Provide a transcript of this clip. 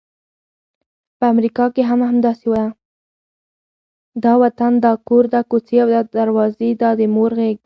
دا وطن، دا کور، دا کوڅې، دا دروازې، دا د مور غېږ،